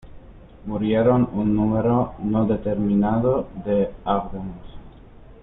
Murieron un número no determinado de afganos.